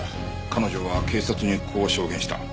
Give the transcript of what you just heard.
彼女は警察にこう証言した。